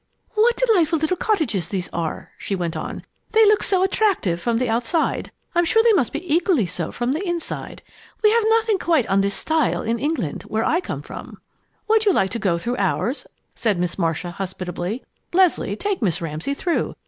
"What delightful little cottages these are!" she went on. "They look so attractive from the outside. I'm sure they must be equally so from the inside. We have nothing quite on this style in England, where I came from." "Wouldn't you like to go through ours?" asked Miss Marcia, hospitably. "Leslie, take Miss Ramsay through.